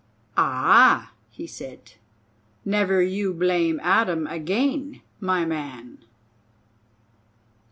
"Ah!" he said; "never you blame Adam again, my man!"